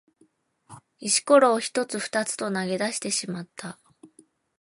石ころを一つ二つと投げ出してしまった。